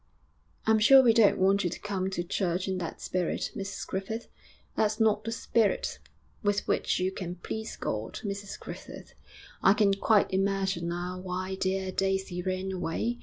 'I'm sure we don't want you to come to church in that spirit, Mrs Griffith. That's not the spirit with which you can please God, Mrs Griffith. I can quite imagine now why dear Daisy ran away.